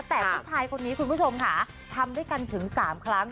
แต่ผู้ชายคนนี้คุณผู้ชมค่ะทำด้วยกันถึง๓ครั้ง